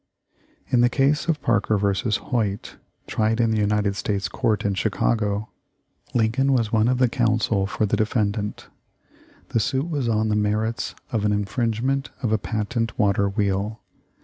In the case of Parker vs. Hoyt, tried in the United States Court in Chicago, Lincoln was one of the counsel for the defendant. The suit was on the merits of an infringement of a patent water wheel.